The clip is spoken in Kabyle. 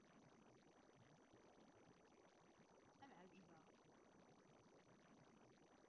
Ad am-ɛejbeɣ.